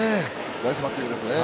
ナイスバッティングですね。